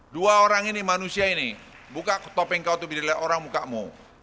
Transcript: dua orang ini manusia ini buka topeng kau untuk dilihat orang mukamu